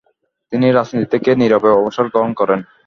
তিনি রাজনীতি থেকে নীরবে অবসর গ্রহণ করেন।